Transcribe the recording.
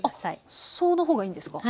あっその方がいいんですか？